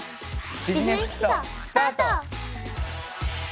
「ビジネス基礎」スタート！